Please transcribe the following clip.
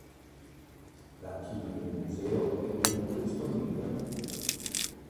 L'archivio del museo è dunque disponibile a tutti.